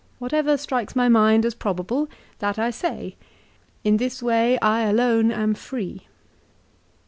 Whatever strikes my mind as probable, that I say. In this way I alone am free."